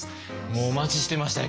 もうお待ちしてましたよ